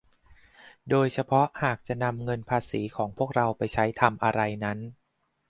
โดยเฉพาะหากจะนำเงินภาษีของพวกเราไปใช้ทำอะไรนั้น